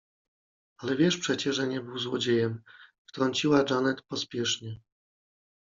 — Ale wiesz przecie, że nie był złodziejem — wtrąciła Janet pospiesznie.